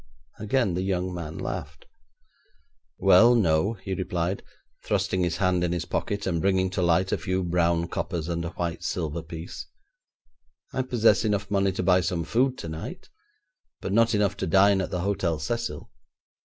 Again the young man laughed. 'Well, no,' he replied, thrusting his hand in his pocket and bringing to light a few brown coppers, and a white silver piece. 'I possess enough money to buy some food tonight, but not enough to dine at the Hotel Cecil.